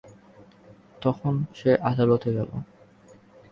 তখন সে আদালতে গেল।